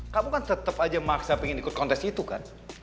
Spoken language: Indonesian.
kamu kan tetap aja maksa pengen ikut kontes itu kan